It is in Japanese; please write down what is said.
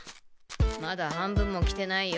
まだ半分も来てないよ。